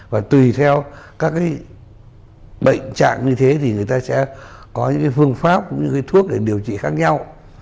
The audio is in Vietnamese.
và tùy theo các cái bệnh trạng như thế thì người ta sẽ có những cái phương pháp những cái thuốc để điều trị khác nhau